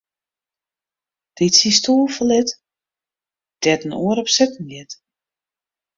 Dy't syn stoel ferlit, dêr't in oar op sitten giet.